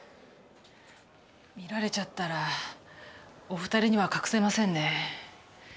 見られちゃったらお二人には隠せませんね。